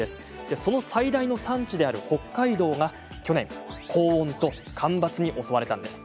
その最大の産地である北海道が去年、高温と干ばつに襲われたんです。